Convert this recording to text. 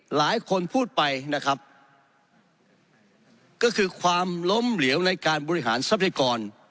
หลายคนพูดไปนะครับก็คือความล้มเหลวในการบริหารทรัพยากร